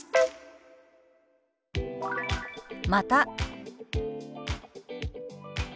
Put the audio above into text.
「また」。